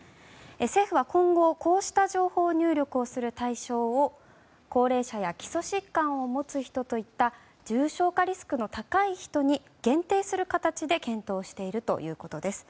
政府は今後こうした情報入力をする対象を高齢者や基礎疾患を持つ人といった重症化リスクの高い人に限定する形で検討しているということです。